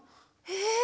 え？